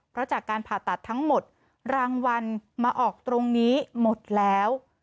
เพราะจากการผ่าตัดทั้งหมดรางวัลมาออกตรงนี้หมดแล้ว